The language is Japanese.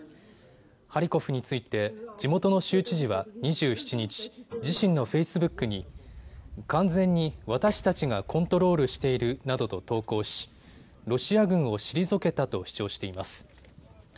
ハリコフについて地元の州知事は２７日、自身のフェイスブックに完全に私たちがコントロールしているなどと投稿しロシア軍を退けたと主張しています。